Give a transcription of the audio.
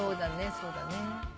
そうだね。